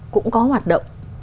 cũng có hoạt động